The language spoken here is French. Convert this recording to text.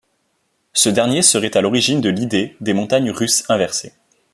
Ce dernier serait à l'origine de l'idée des montagnes russes inversées.